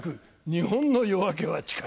日本の夜明けは近い。